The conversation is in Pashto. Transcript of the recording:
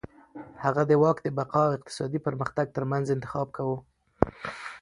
هغه د واک د بقا او اقتصادي پرمختګ ترمنځ انتخاب کاوه.